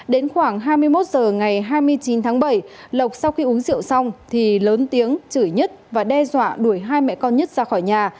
đến khoảng hai mươi một h ngày hai mươi chín tháng bảy lộc sau khi uống rượu xong thì lớn tiếng chửi nhất và đe dọa đuổi hai mẹ con nhất ra khỏi nhà